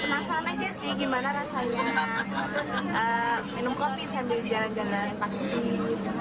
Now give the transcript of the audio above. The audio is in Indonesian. penasaran aja sih gimana rasanya minum kopi sambil jalan jalan pagi ini